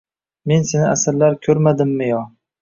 Men seni asrlar ko’rmadimmi, yo